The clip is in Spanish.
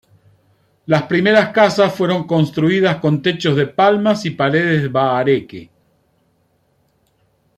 Las primeras casas fueron construidas con techos de palmas y paredes de bahareque.